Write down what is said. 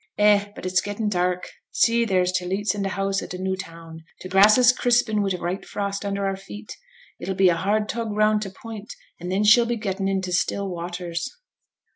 'Eh! but it's gettin' dark! See there's t' leeghts in t' houses in t' New Town! T' grass is crispin' wi' t' white frost under out feet. It'll be a hard tug round t' point, and then she'll be gettin' into still waters.'